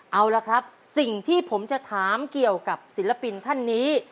เอาละครับสิ่งที่ผมจะถามเกี่ยวกับศิลปินท่านนี้